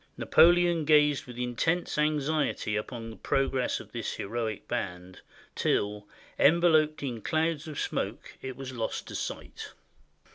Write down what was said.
... Napoleon gazed with intense anxiety upon the progress of this heroic band, till, enveloped in clouds of smoke, it was lost to sight.